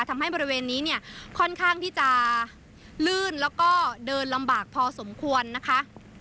ทำให้บริเวณนี้เนี่ยค่อนข้างที่จะลื่นแล้วก็เดินลำบากพอสมควรนะคะ